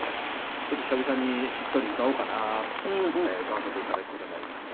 ちょっと久々にしっとり歌おうかなと思って歌わせて頂く事になりました。